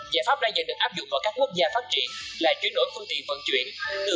giải pháp đang được áp dụng vào các quốc gia phát triển là chuyển đổi phương tiện vận chuyển